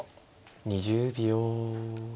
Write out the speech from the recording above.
２０秒。